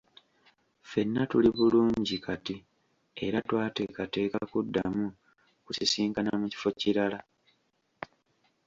Ffenna tuli bulungi kati era tweteekateeka kuddamu kusisinkana mu kifo kirala.